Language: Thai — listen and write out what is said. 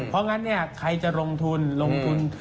เพราะงั้นเนี่ยใครจะลงทุนลงทุน